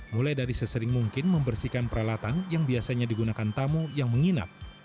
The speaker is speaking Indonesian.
mulai dari sesering mungkin membersihkan peralatan yang biasanya digunakan tamu yang menginap